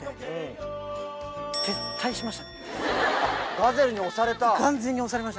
ガゼルに押された。